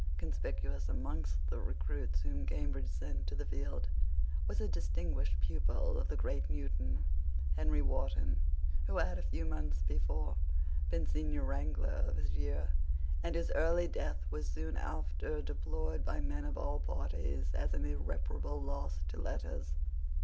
Conspicuous amongst the recruits whom Cambridge sent to the field was a distinguished pupil of the great Newton, Henry Wharton, who had, a few months before, been senior wrangler of his year, and whose early death was soon after deplored by men of all parties as an irreparable loss to letters.